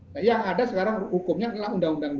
nah yang ada sekarang hukumnya adalah undang undang dua